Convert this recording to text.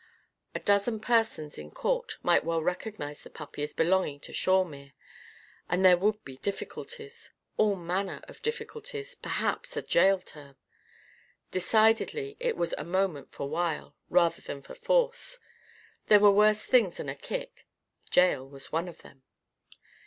A dozen persons in court might well recognise the puppy as belonging to Shawemere. And there would be difficulties all manner of difficulties perhaps a jail term. Decidedly it was a moment for wile, rather than for force. There were worse things than a kick. Jail was one of them.